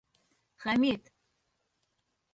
Хәмит!